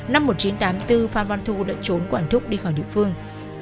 năm một nghìn chín trăm tám mươi bốn phan văn thu đã trốn quản thúc đi khỏi địa phương